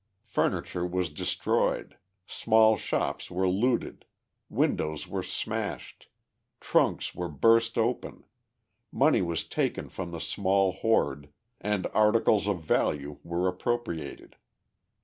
Furniture was destroyed, small shops were looted, windows were smashed, trunks were burst open, money was taken from the small hoard, and articles of value were appropriated.